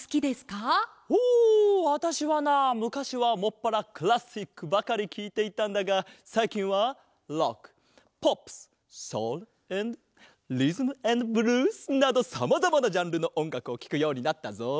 おわたしはなむかしはもっぱらクラシックばかりきいていたんだがさいきんはロックポップスソウルアンドリズムアンドブルースなどさまざまなジャンルのおんがくをきくようになったぞ。